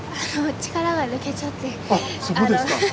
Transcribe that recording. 力が抜けちゃって。